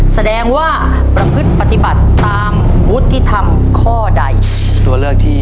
แสดงว่าประพฤติปฏิบัติตามบุติธรรมข้อใด